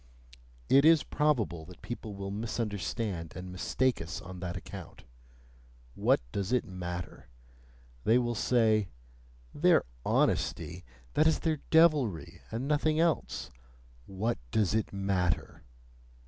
It is probable that people will misunderstand and mistake us on that account: what does it matter! They will say: "Their 'honesty' that is their devilry, and nothing else!" What does it matter!